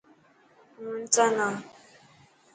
هون انسان هان.